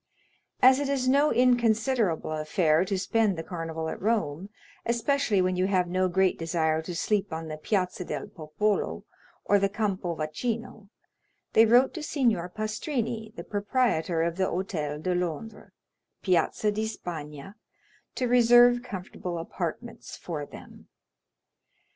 As it is no inconsiderable affair to spend the Carnival at Rome, especially when you have no great desire to sleep on the Piazza del Popolo, or the Campo Vaccino, they wrote to Signor Pastrini, the proprietor of the Hôtel de Londres, Piazza di Spagna, to reserve comfortable apartments for them.